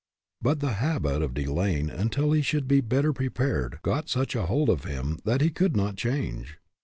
But the habit of delaying until he should be better prepared got such a hold of him that he could not change.